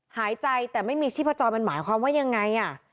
หายใจแต่ไม่มีชีพจรมันหมายความว่ายังไง